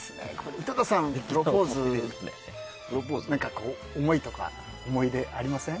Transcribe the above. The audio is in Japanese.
井戸田さん、プロポーズ思い出ありません？